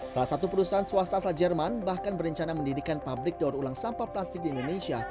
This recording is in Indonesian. salah satu perusahaan swasta asal jerman bahkan berencana mendirikan pabrik daur ulang sampah plastik di indonesia